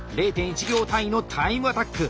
０．１秒単位のタイムアタック。